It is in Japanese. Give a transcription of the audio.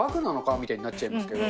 みたいになっちゃいますけど。